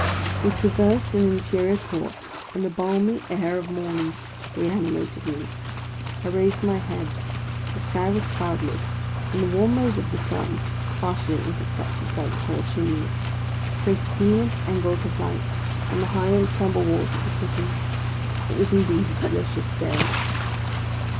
We traversed an interior court, and the balmy air of morn ing reanimated me. I raised my head: the sky was cloudless, and the warm rays of the sun (partially intercepted by the tall chimneys) traced brilliant angles of light on the high and sombre walls of the prison. It was indeed a delicious day.